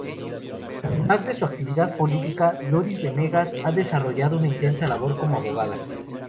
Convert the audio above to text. Además de su actividad política, Doris Benegas ha desarrollado una intensa labor como abogada.